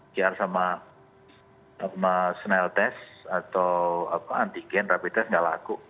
biar sama smell test atau antigen rapid test tidak laku